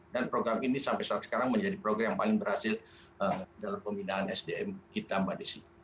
dan program ini sampai saat sekarang menjadi program yang paling berhasil dalam pembinaan sdm kita mbak desi